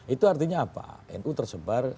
itu artinya apa nu tersebar